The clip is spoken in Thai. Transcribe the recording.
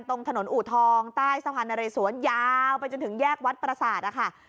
ตรงถนนอุทองใต้สะพานะเรย์สวนยาวไปจนถึงแยกวัดปราศาสตร์